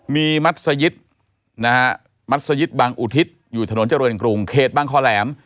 มีมัสยิฎมัสยิฎบังอุทิศอยู่ทะโนนเจ้าโรยลัยกรุงเคตบางค่อแแลม